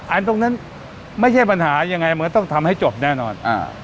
ตรงนั้นไม่ใช่ปัญหายังไงมันต้องทำให้จบแน่นอน